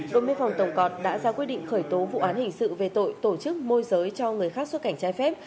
đội biên phòng tổng cọt đã ra quyết định khởi tố vụ án hình sự về tội tổ chức môi giới cho người khác xuất cảnh trái phép